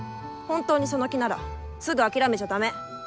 本当にその気ならすぐ諦めちゃ駄目。